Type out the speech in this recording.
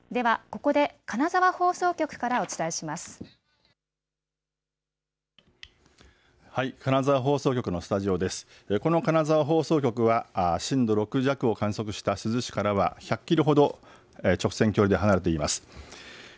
この金沢放送局は震度６弱を観測した珠洲市からは１００キロほど直線距離で離れています。